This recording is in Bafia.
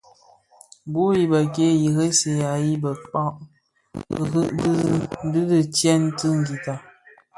Bul i bëkéé yi ressiya yi bëkpàg rì di đì tyën ti ngüità.